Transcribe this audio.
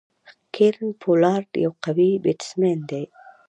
کیرن پولارډ یو قوي بيټسمېن دئ.